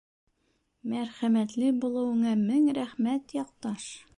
— Мәрхәмәтле булыуыңа мең рәхмәт, яҡташ.